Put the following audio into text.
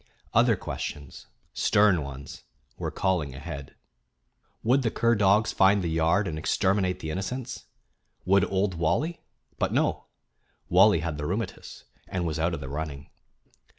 Other questions, stern ones, were calling ahead. Would the cur dogs find the yard and exterminate the innocents? Would Old Wally but no; Wally had the "rheumatiz," and was out of the running.